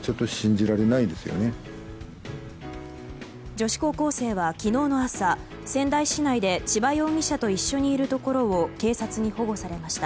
女子高校生は昨日の朝仙台市内で千葉容疑者と一緒にいるところを警察に保護されました。